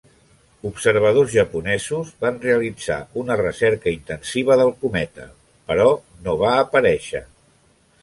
Observadors japonesos van realitzar una recerca intensiva del cometa, però no va aparèixer.